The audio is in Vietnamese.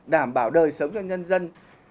đảm bảo đời sống cho nhân dân